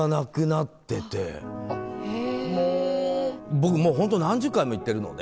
僕もうホント何十回も行ってるので。